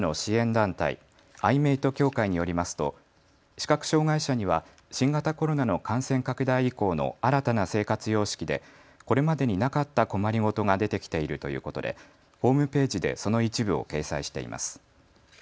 団体アイメイト協会によりますと視覚障害者には新型コロナの感染拡大以降の新たな生活様式でこれまでになかった困り事が出てきているということでホームページでその一部を掲載しています。